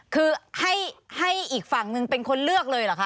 คือให้อีกฝั่งหนึ่งเป็นคนเลือกเลยเหรอคะ